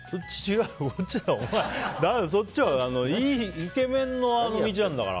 そっちはイケメンの道なんだから。